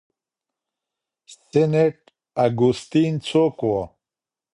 سینټ اګوستین څوک و؟